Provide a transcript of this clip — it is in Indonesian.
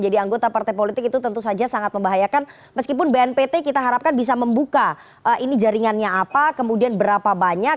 dan meskipun bnpt kita harapkan bisa membuka ini jaringannya apa kemudian berapa banyak